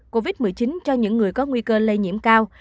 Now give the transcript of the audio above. covid một mươi chín cho những người có nguy cơ lây nhiễm cao